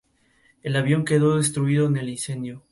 El avión quedó destruido en el incendio.